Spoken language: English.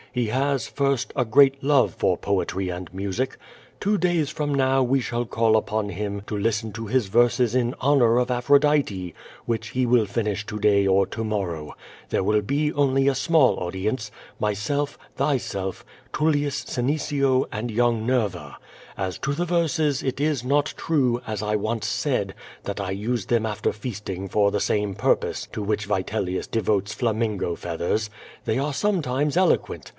He has, first, a great love for poetry and music. Two days from now we shall call upon him to listen to his verses in honor of Aphrodite, which he will finish to day or to morrow. There will be only a small audience, — m3'self, thyself, Tullius Senecio, and young Nerva. As to the verses it is not true, as I once said, that 1 use them after feasting for the same pur pose to which Vitelius devotes flamingo feathers. They are sometimes eloquent.